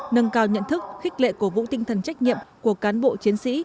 nâng cao nhận thức khích lệ cổ vũ tinh thần trách nhiệm của cán bộ chiến sĩ